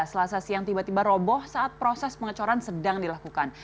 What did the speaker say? selasa siang tiba tiba roboh saat proses pengecoran sedang dilakukan